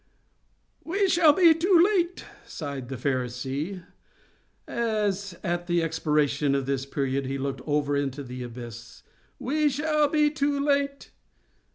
"We shall be too late!" sighed the Pharisee, as at the expiration of this period he looked over into the abyss—"we shall be too late!